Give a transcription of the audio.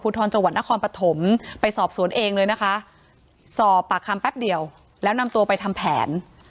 ก็จะหาแป๊บเดียวแล้วนำตัวไปทำแผน